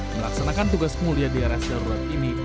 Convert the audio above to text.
melaksanakan tugas mulia drs darurat ini